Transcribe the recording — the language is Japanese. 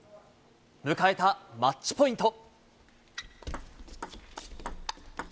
迎えたマッチポイント。